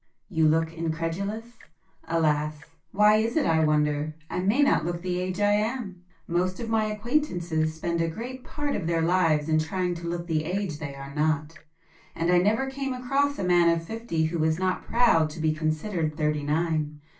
You look incredulous? Alas, why is it I wonder, I may not look the age I am! Most of my acquaintances spend a great part of their lives in trying to look the age they are not; and I never came across a man of fifty who was not proud to be considered thirty nine.